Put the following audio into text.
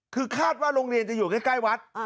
คือคาดว่าโรงเรียนจะอยู่ใกล้วัด